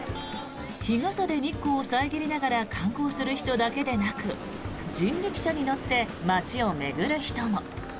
日傘で日光を遮りながら観光する人だけでなく人力車に乗って街を巡る人も。